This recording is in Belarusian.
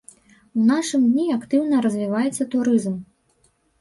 У нашы дні актыўна развіваецца турызм.